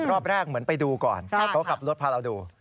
รอบแรกเหมือนไปดูก่อนเขาขับรถพาเราดู